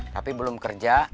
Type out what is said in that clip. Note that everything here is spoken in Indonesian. tapi belum kerja